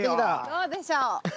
どうでしょう？